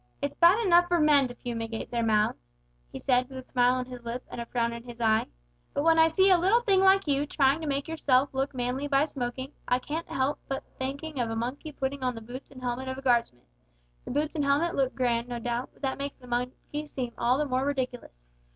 "It's bad enough for men to fumigate their mouths," he said, with a smile on his lip and a frown in his eye, "but when I see a thing like you trying to make yourself look manly by smoking, I can't help thinking of a monkey putting on the boots and helmet of a Guardsman. The boots and helmet look grand, no doubt, but that makes the monkey seem all the more ridiculous.